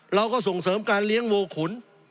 เราก็ส่งเสริมการเลี้ยงวัวขุน